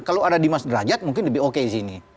kalau ada dimas derajat mungkin lebih oke di sini